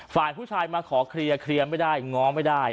ฝ่ายผู้ชายมาขอเคลียร์เคลียร์ไม่ได้ง้อไม่ได้